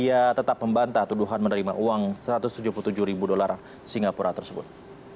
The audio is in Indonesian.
ia tetap membantah tuduhan menerima uang satu ratus tujuh puluh tujuh ribu dolar singapura tersebut